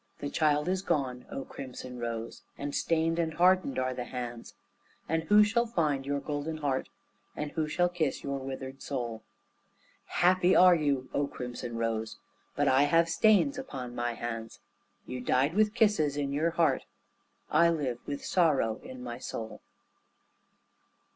The child is gone, O crimson rose, And stained and hardened are the hands, And who shall find your golden heart And who shall kiss your withered soul? Happy are you, O crimson rose, But I have stains upon my hands; You died with kisses in your heart, I live with sorrow in my soul.